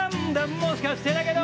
「もしかしてだけど」